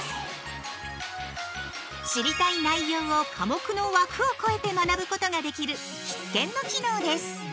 知りたい内容を科目の枠を越えて学ぶことができる必見の機能です。